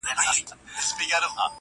هینداره ماته که چي ځان نه وینم تا ووینم؛